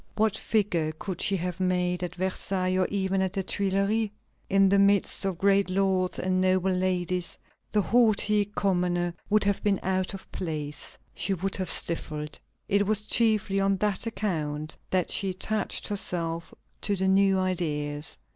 What figure could she have made at Versailles, or even at the Tuileries? In the midst of great lords and noble ladies the haughty commoner would have been out of place; she would have stifled. It was chiefly on that account that she attached herself to the new ideas.